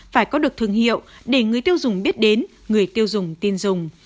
phải có được thương hiệu để người tiêu dùng biết đến người tiêu dùng tin dùng